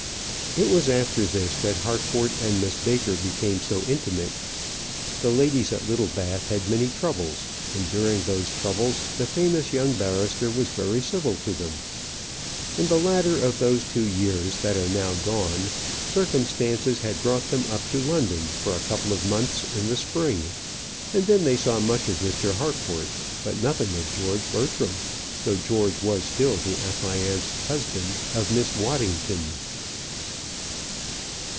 It was after this that Harcourt and Miss Baker became so intimate. The ladies at Littlebath had many troubles, and during those troubles the famous young barrister was very civil to them. In the latter of those two years that are now gone, circumstances had brought them up to London for a couple of months in the spring; and then they saw much of Mr. Harcourt, but nothing of George Bertram, though George was still the affianced husband of Miss Waddington.